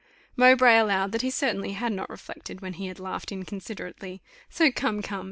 Mowbray allowed that he certainly had not reflected when he had laughed inconsiderately. "So come, come.